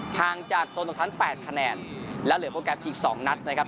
ห่างจากโซนตกชั้น๘คะแนนและเหลือโปรแกรมอีก๒นัดนะครับ